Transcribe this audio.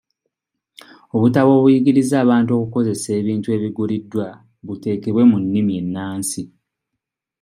Obutabo obuyigiriza abantu okukozesa ebintu ebiguliddwa buteekebwe mu nnimi ennansi.